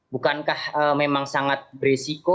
bukankah memang sangat berisiko